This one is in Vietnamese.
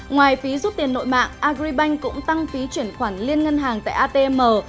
ngoài phí rút tiền nội mạng agribank cũng tăng phí chuyển khoản liên ngân hàng tại atm